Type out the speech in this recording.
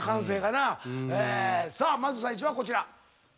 さあまず最初はこちら。